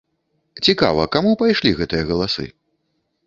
Цікава, каму пайшлі гэтыя галасы?